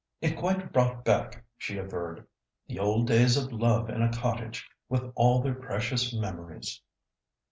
"It quite brought back," she averred, "the old days of love in a cottage, with all their precious memories."